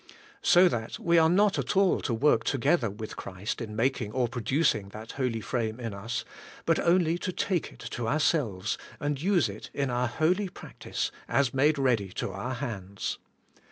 So that we are not at all to work together with Christ in making or producing that holy frame in us, but only to take it to our selves, and use it in our holy practice, as made ready to our hands.